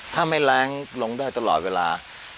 ถ้าไม่แรงลงได้ตลอดเวลา